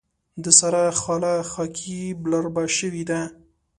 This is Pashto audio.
د سارا خاله خاکي بلاربه شوې ده.